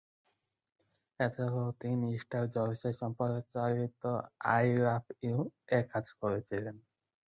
এছাড়াও তিনি স্টার জলসায় সম্প্রচারিত "আই লাফ ইউ"-এ কাজ করেছিলেন।